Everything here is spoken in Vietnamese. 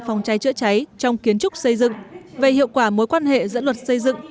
phòng cháy chữa cháy trong kiến trúc xây dựng về hiệu quả mối quan hệ giữa luật xây dựng